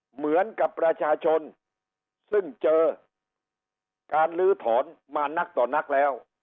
เหมือนกับประชาชนซึ่งเจอการลื้อถอนมานักต่อนักแล้ว